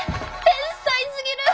天才すぎる！